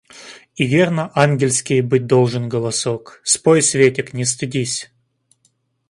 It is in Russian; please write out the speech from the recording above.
И верно ангельский быть должен голосок! Спой, светик, не стыдись!